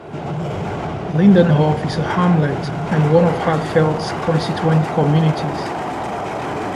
Lindenhof is a hamlet and one of Hatzfeld's constituent communities.